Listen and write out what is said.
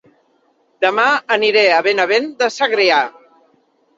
Dema aniré a Benavent de Segrià